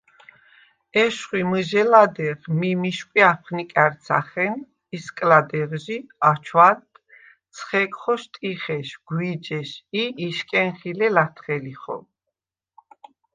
ეშხვი მჷჟელა̈დეღ მი მიშკვი აფხნიკა̈რცა̈ხენ ისკლა̈დეღჟი აჩვადდ ცხეკხო შტიხეშ, გვიჯეშ ი იშკენ ხილე ლა̈თხელიხო.